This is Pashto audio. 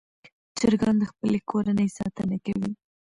چرګان د خپلې کورنۍ ساتنه کوي.